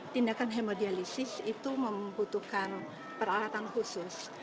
tindakan hemodialisis itu membutuhkan peralatan khusus